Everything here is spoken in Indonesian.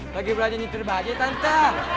lagi belanja nyetir bajet tante